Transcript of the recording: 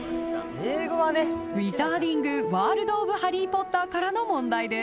［ウィザーディング・ワールド・オブ・ハリー・ポッターからの問題です］